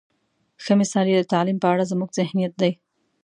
ښه مثال یې د تعلیم په اړه زموږ ذهنیت دی.